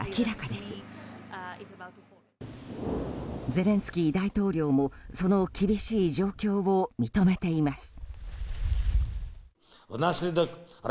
ゼレンスキー大統領もその厳しい状況を認めています。